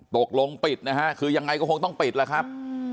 ตกลงปิดนะฮะคือยังไงก็คงต้องปิดแล้วครับ